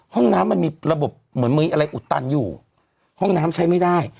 ห้องน้ำมันมีระบบเหมือนมีอะไรอุดตันอยู่ห้องน้ำใช้ไม่ได้